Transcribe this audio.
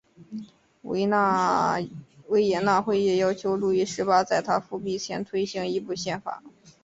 维也纳会议要求路易十八在他复辟前推行一部宪法。